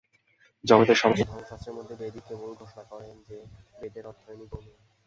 জগতের সমস্ত ধর্মশাস্ত্রের মধ্যে বেদই কেবল ঘোষণা করেন যে, বেদের অধ্যয়নও গৌণ।